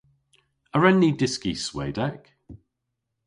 A wren ni dyski Swedek?